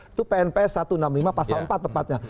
itu pnps satu ratus enam puluh lima pasal empat tepatnya